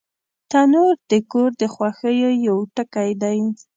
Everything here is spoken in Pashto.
تنور د کور د خوښیو یو ټکی دی